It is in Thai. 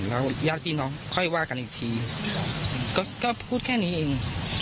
แล้วญาติพี่น้องค่อยว่ากันอีกทีก็พูดแค่นี้เอง